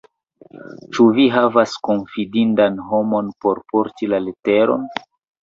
Ĉu vi havas konfidindan homon por porti la leteron?